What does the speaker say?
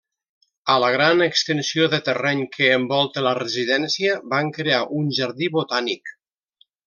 A la gran extensió de terreny que envolta la residència van crear un jardí botànic.